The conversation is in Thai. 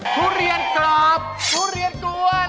ทุเรียนกรอบทุเรียนกวน